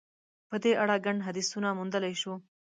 په دې اړه ګڼ حدیثونه موندلای شو.